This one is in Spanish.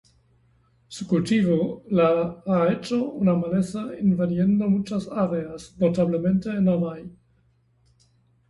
Su cultivo la ha hecho una maleza invadiendo muchas áreas, notablemente en Hawái.